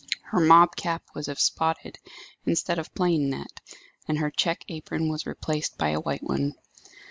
Her mob cap was of spotted, instead of plain net, and her check apron was replaced by a white one.